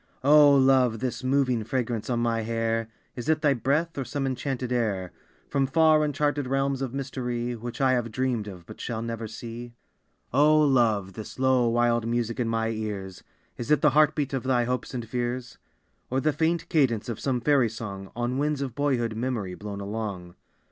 O Love, this moving fragrance on my hair, Is it thy breath, or some enchanted air From far, uncharted realms of mystery Which I have dreamed of but shall never see? O Love, this low, wild music in my ears, Is it the heart beat of thy hopes and fears, Or the faint cadence of some fairy song On winds of boyhood memory blown along?